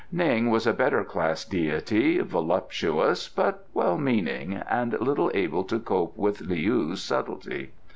Ning was a better class deity, voluptuous but well meaning, and little able to cope with Leou's subtlety.